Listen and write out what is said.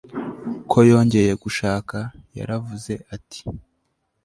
ko yongeye gushaka. yaravuze ati